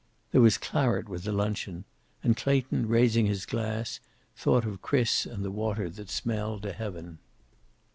There was claret with the luncheon, and Clayton, raising his glass, thought of Chris and the water that smelled to heaven.